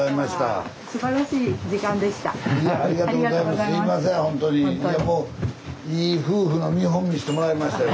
すばらしい時間でした。